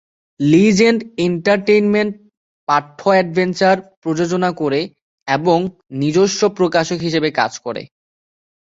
Legend Entertainment পাঠ্য adventure প্রযোজনা করে এবং নিজস্ব প্রকাশক হিসেবে কাজ করে।